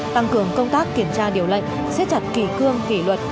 tăng cường công tác kiểm tra điều lệnh xếp chặt kỳ cương kỷ luật